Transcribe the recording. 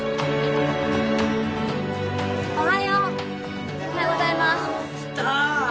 おはようおはようございますきた！